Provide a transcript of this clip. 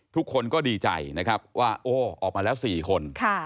ทุกคนก็ดีใจนะครับว่าโอ้ออกมาแล้ว๔คน